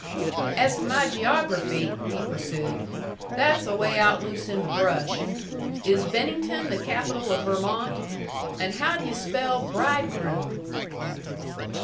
"As to my geography," he pursued, "that's away out loose in the brush. Is Bennington the capital of Vermont? And how d' yu' spell bridegroom?"